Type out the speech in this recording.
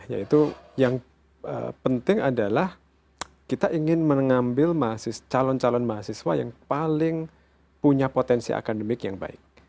yaitu yang penting adalah kita ingin mengambil calon calon mahasiswa yang paling punya potensi akademik yang baik